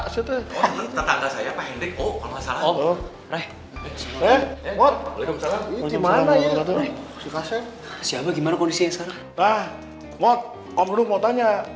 siapa gimana kondisinya